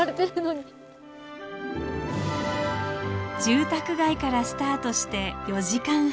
住宅街からスタートして４時間半。